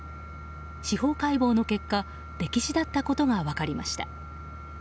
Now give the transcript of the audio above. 司法解剖の結果溺死だったことが分かりました。